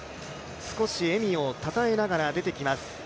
少し笑みをたたえながら出てきます